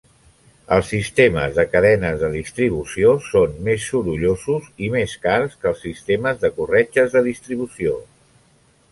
Els sistemes de cadenes de distribució són més sorollosos i més cars que els sistemes de corretges de distribució.